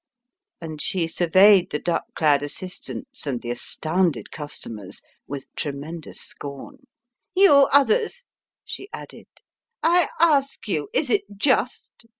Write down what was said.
And she surveyed the duck clad assistants and the astounded customers with tremendous scorn. "You others," she added, "I ask you, is it just?